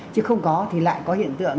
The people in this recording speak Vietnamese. chứ không có thì lại có hiện tượng